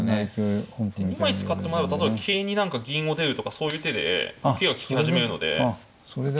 ２枚使ってもらえれば例えば桂に何か銀を出るとかそういう手で受けが利き始めるので。